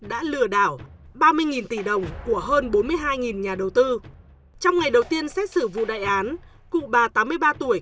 đã lừa đảo ba mươi tỷ đồng của hơn bốn mươi hai nhà đầu tư trong ngày đầu tiên xét xử vụ đại án cụ bà tám mươi ba tuổi